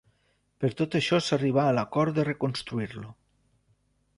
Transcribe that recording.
Per tot això s'arribà a l'acord de reconstruir-lo.